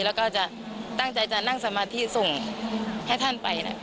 แล้วก็จะตั้งใจจะนั่งสมาธิส่งให้ท่านไปนะ